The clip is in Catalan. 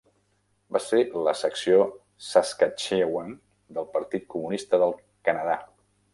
Va ser la secció Saskatchewan del Partit Comunista del Canadà.